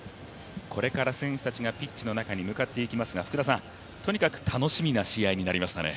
これから選手たちがピッチの中に向かっていきますが福田さん、とにかく楽しみな試合になりましたね。